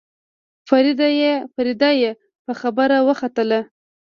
فريده يې په خبره وختله.